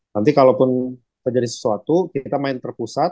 nanti kalau pun terjadi sesuatu kita main terpusat